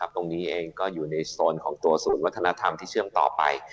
ตรงนี้อยู่ในสนของตัวสนวัฒนธรรมที่เชื่อมต่อไป